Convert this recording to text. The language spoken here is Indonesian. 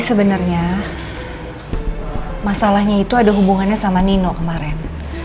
sebenarnya masalahnya itu ada hubungannya sama nino kemarin